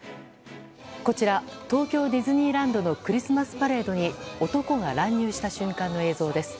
こちら、東京ディズニーランドのクリスマスパレードに男が乱入した瞬間の映像です。